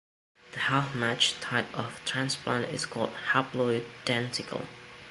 The half-matched type of transplant is called haploidentical.